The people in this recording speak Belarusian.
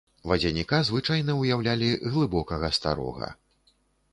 Вадзяніка звычайна ўяўлялі глыбокага старога.